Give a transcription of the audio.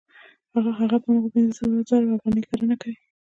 هغه په هماغه پنځه سوه زره افغانۍ کرنه کوي